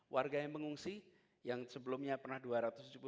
warganya mengungsi yang sebelumnya pernah dua ratus tujuh puluh ribu